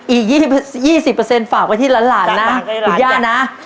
อีก๒๐เปอร์เซ็นต์ฝากไว้ที่หลานนะ